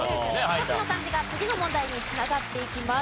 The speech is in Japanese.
１つの漢字が次の問題に繋がっていきます。